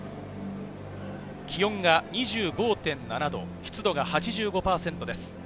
気温が２５．７度、湿度が８５％です。